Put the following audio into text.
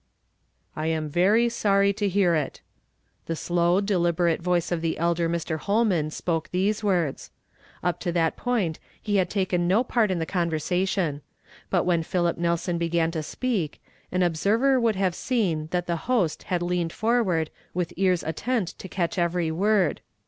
•' I am very sorry to hear ii." The slow, delib erate voice of the elder ?,[r. Holman spoke these words. Up to that point he had taken no part in the convei sation ; but when Philip Nelson began to speak, an observer would have seen that the host had leaned forward with ears attent to catch every word.